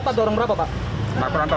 saya kurang tahu saya kurang tahu